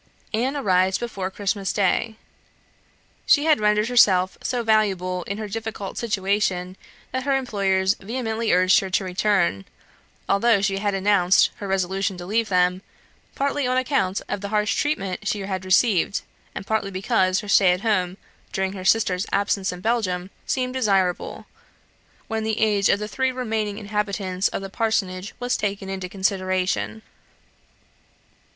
Anne arrived before Christmas day. She had rendered herself so valuable in her difficult situation, that her employers vehemently urged her to return, although she had announced her resolution to leave them; partly on account of the harsh treatment she had received, and partly because her stay at home, during her sisters' absence in Belgium, seemed desirable, when the age of the three remaining inhabitants of the parsonage was taken into consideration.